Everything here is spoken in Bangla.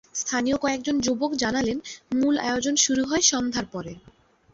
স্থানীয় কয়েকজন যুবক জানালেন, মূল আয়োজন শুরু হয় সন্ধ্যার পর।